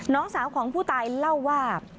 น้องสาวของผู้ตายเล่าว่า